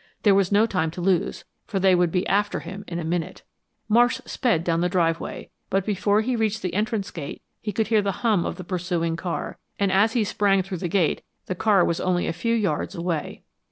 There was no time to lose, for they would be after him in a minute. Marsh sped down the driveway, but before he reached the entrance gate he could hear the hum of the pursuing car, and as he sprang through the gate the car was only a few yards away.